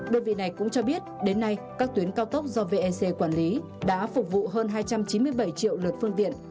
đơn vị này cũng cho biết đến nay các tuyến cao tốc do vec quản lý đã phục vụ hơn hai trăm chín mươi bảy triệu lượt phương tiện